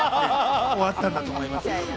終わったんだと思います。